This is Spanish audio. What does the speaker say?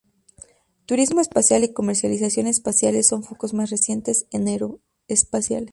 Turismo espacial y comercialización espaciales son focos más recientes en aeroespaciales.